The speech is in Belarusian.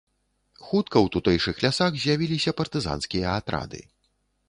Хутка ў тутэйшых лясах з'явіліся партызанскія атрады.